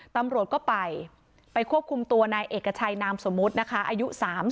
ตำรวจก็ไปไปควบคุมตัวนายเอกชัยนามสมมุตินะคะอายุ๓๐